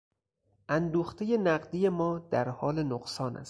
اندوختهی نقدی ما در حال نقصان است.